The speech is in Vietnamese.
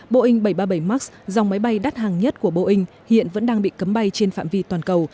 boeing bảy trăm ba mươi bảy max dòng máy bay đắt hàng nhất của boeing hiện vẫn đang bị cấm bay trên phạm vi toàn cầu